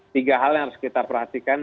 tiga hal yang harus kita perhatikan